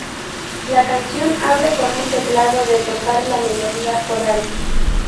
La canción abre con un teclado de tocar la melodía coral.